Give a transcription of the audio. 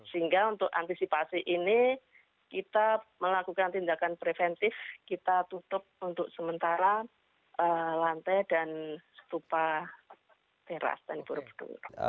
sehingga untuk antisipasi ini kita melakukan tindakan preventif kita tutup untuk sementara lantai dan stupa teras dan borobudur